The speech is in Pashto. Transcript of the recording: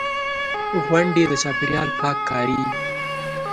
غونډې، د چاپېریال پاک کاري.